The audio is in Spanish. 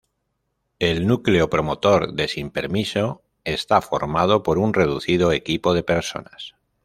El núcleo promotor de "Sin Permiso" está formado por un reducido equipo de personas.